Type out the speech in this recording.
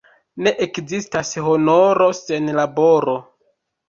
Ne ekzistas honoro sen laboro.